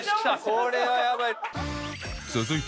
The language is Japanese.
これはやばい。